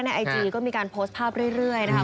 ไอจีก็มีการโพสต์ภาพเรื่อยนะคะ